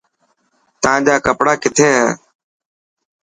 تان جا ڪپڙا ڪٿي هي.